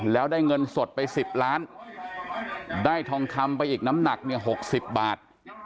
แล้วได้เงินสดไป๑๐ล้านได้ทองคำไปอีกน้ำหนักเนี่ย๖๐บาท